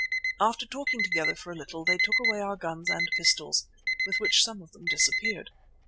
After talking together for a little they took away our guns and pistols, with which some of them disappeared.